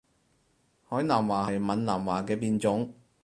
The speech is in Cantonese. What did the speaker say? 海南話係閩南話嘅變種